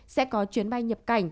sẽ có chuyến bay nhập cảnh